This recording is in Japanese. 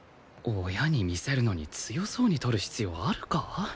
親に見せるのに強そうに撮る必要あるか？